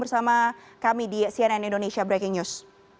bersama kami di cnn indonesia breaking news